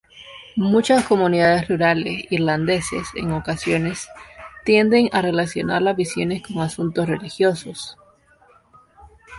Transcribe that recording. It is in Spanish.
Muchas comunidades rurales irlandeses en ocasiones tienden a relacionar las visiones con asuntos religiosos.